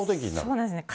そうなんですね。